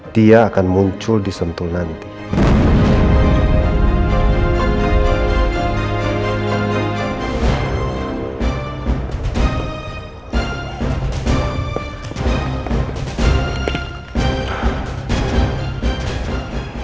kenapa si elpenu memang ini